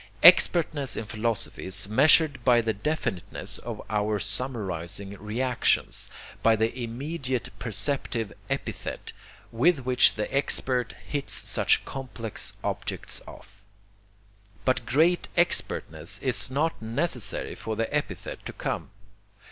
Expertness in philosophy is measured by the definiteness of our summarizing reactions, by the immediate perceptive epithet with which the expert hits such complex objects off. But great expertness is not necessary for the epithet to come.